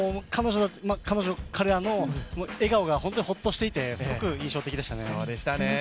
彼女、彼らの笑顔が本当にほっとしていてすごく印象的でしたね。